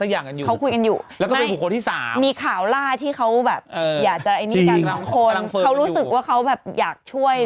อยากจะไอ้นี่กับบางคนเขารู้สึกว่าเขาแบบอยากช่วย